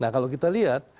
nah kalau kita lihat